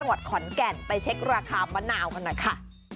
จังหวัดขอนแก่นไปเช็คราคามะนาวกันหน่อยค่ะ